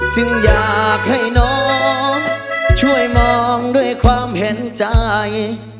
จึงอยากให้น้องช่วยมองด้วยความเห็นใจ